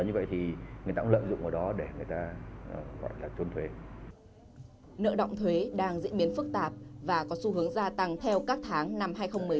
nợ động thuế đang diễn biến phức tạp và có xu hướng gia tăng theo các tháng năm hai nghìn một mươi chín